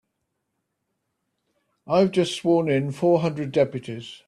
I've just sworn in four hundred deputies.